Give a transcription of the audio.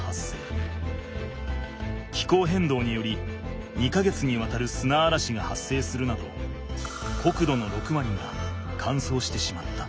気候変動により２か月にわたるすなあらしが発生するなど国土の６割が乾燥してしまった。